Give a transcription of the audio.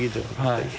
はい。